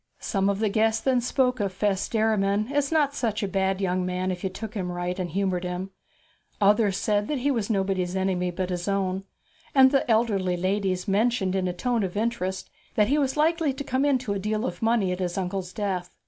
Some of the guests then spoke of Fess Derriman as not such a bad young man if you took him right and humoured him; others said that he was nobody's enemy but his own; and the elder ladies mentioned in a tone of interest that he was likely to come into a deal of money at his uncle's death.